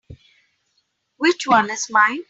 Which one is mine?